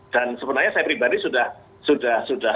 dan sebenarnya saya pribadi sudah sudah sudah